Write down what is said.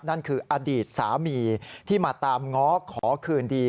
นั่นคืออดีตสามีที่มาตามง้อขอคืนดี